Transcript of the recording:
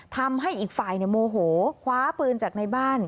ทำให้อีกฝ่ายโมโหคว้าปืนจากในบ้าน